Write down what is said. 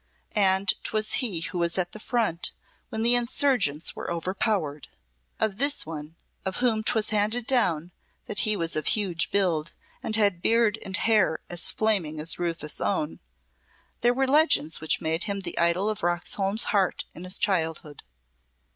And 'twas he who was at the front when the insurgents were overpowered. Of this one, of whom 'twas handed down that he was of huge build, and had beard and hair as flaming as Rufus's own, there were legends which made him the idol of Roxholm's heart in his childhood.